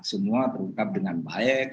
semua terungkap dengan baik